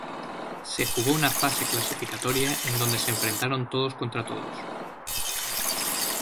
Se jugó una fase clasificatoria en donde se enfrentaron todos contra todos.